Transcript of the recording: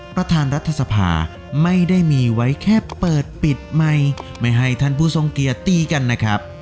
ประธานรัฐสภาไม่ได้มีไว้แค่เปิดปิดใหม่ไม่ให้ท่านผู้ทรงเกียร์ตีกันนะครับ